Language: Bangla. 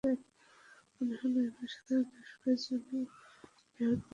মনে হলো, এবার সাধারণ দর্শকদের জন্য বৃহৎ পরিসরে মঞ্চস্থ করা যায়।